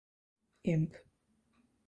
Imp.